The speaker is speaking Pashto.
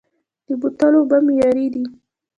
د بوتلو اوبه معیاري دي؟